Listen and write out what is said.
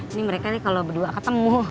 ini mereka nih kalau berdua ketemu